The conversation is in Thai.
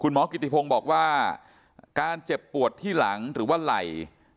หมอกิติพงศ์บอกว่าการเจ็บปวดที่หลังหรือว่าไหล่